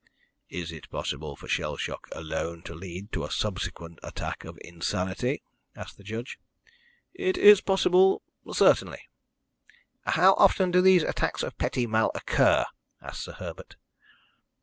"It is possible for shell shock alone to lead to a subsequent attack of insanity?" asked the judge. "It is possible certainly." "How often do these attacks of petit mal occur?" asked Sir Herbert.